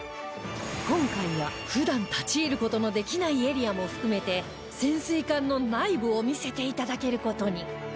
今回は普段立ち入る事のできないエリアも含めて潜水艦の内部を見せて頂ける事に